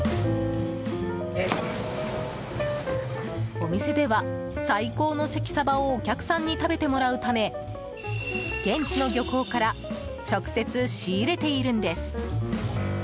お店では、最高の関サバをお客さんに食べてもらうため現地の漁港から直接、仕入れているんです。